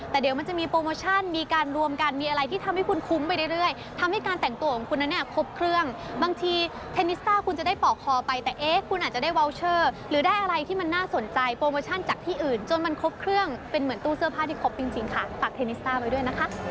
แต่เดี๋ยวมันจะมีโปรโมชั่นมีการรวมกันมีอะไรที่ทำให้คุณคุ้มไปเรื่อยทำให้การแต่งตัวของคุณนั้นเนี่ยครบเครื่องบางทีเทนนิสต้าคุณจะได้ปอกคอไปแต่เอ๊ะคุณอาจจะได้วาวเชอร์หรือได้อะไรที่มันน่าสนใจโปรโมชั่นจากที่อื่นจนมันครบเครื่องเป็นเหมือนตู้เสื้อผ้าที่ครบจริงค่ะฝากเทนนิสต้าไว้ด้วยนะคะ